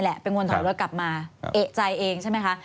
เอกใจเองใช่ไหมคะ